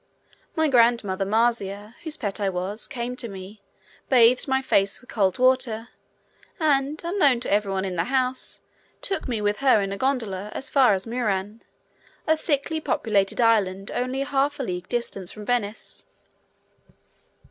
My grandmother, Marzia, whose pet I was, came to me, bathed my face with cold water, and, unknown to everyone in the house, took me with her in a gondola as far as Muran, a thickly populated island only half a league distant from Venice.